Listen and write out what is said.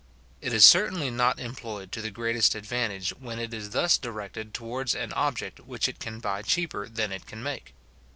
It is certainly not employed to the greatest advantage, when it is thus directed towards an object which it can buy cheaper than it can make.